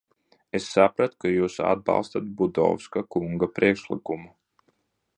Es sapratu, ka jūs atbalstāt Budovska kunga priekšlikumu.